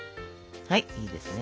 はいいいですね